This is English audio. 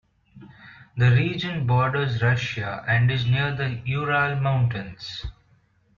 The region borders Russia and is near the Ural Mountains.